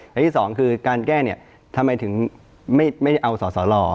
และที่สองคือการแก้ทำไมถึงไม่เอาสอสร